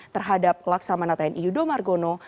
terhadap laksamana tni yudho margono